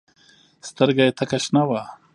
سترګه يې تکه شنه وه.